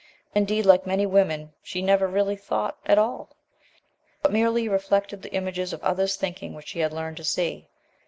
Indeed, like many women, she never really thought at all, but merely reflected the images of others' thinking which she had learned to see.